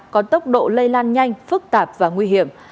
có tốc độ lây lan nhanh phức tạp và nguy hiểm